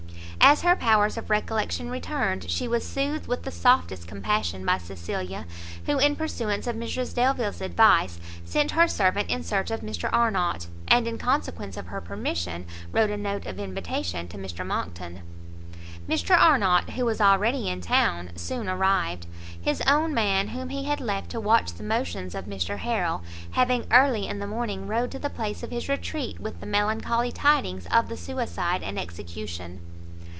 As her powers of recollection returned, she was soothed with the softest compassion by Cecilia, who in pursuance of Mrs Delvile's advice, sent her servant in search of Mr Arnott, and in consequence of her permission, wrote a note of invitation to Mr Monckton. Mr Arnott, who was already in town, soon arrived; his own man, whom he had left to watch the motions of Mr Harrel, having early in the morning rode to the place of his retreat, with the melancholy tidings of the suicide and execution.